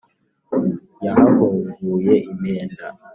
yahahunguye impenda,